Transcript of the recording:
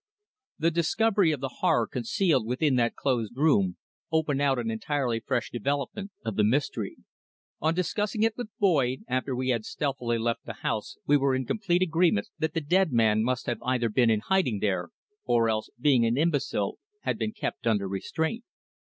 The discovery of the horror concealed within that closed room opened out an entirely fresh development of the mystery. On discussing it with Boyd after we had stealthily left the house we were in complete agreement that the dead man must have either been in hiding there, or else, being an imbecile, had been kept under restraint.